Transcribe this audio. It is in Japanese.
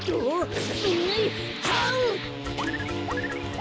はん！